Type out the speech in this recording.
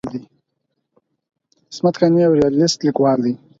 عصمت قانع یو ریالیست لیکوال دی.